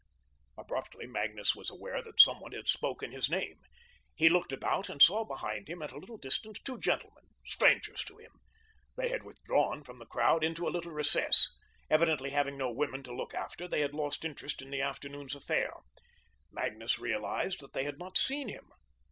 Abruptly Magnus was aware that some one had spoken his name. He looked about and saw behind him, at a little distance, two gentlemen, strangers to him. They had withdrawn from the crowd into a little recess. Evidently having no women to look after, they had lost interest in the afternoon's affair. Magnus realised that they had not seen him.